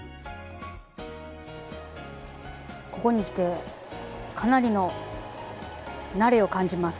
ここにきてかなりの慣れを感じます。